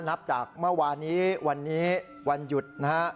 นับจากเมื่อวานี้วันนี้วันหยุดนะฮะ